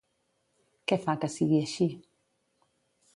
Què fa que sigui així?